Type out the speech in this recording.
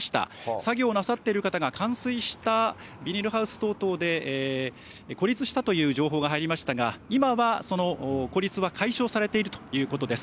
作業なさってる方が冠水したビニールハウス等々で孤立したという情報が入りましたが、今はその孤立は解消されているということです。